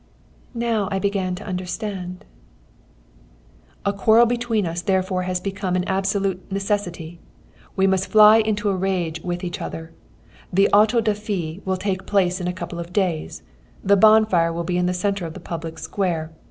"' "Now I began to understand. "'A quarrel between us therefore has become an absolute necessity. We must fly into a rage with each other. The auto da fé will take place in a couple of days. The bonfire will be in the centre of the public square.